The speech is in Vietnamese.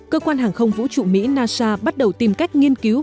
cơ quan hàng không vũ trụ mỹ nasa bắt đầu tìm cách nghiên cứu